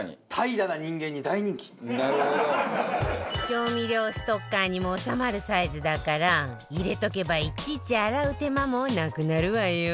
調味料ストッカーにも収まるサイズだから入れとけばいちいち洗う手間もなくなるわよ